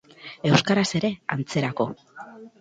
Euskaraz ere, antzerako.